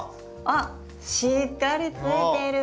あっしっかりついてる！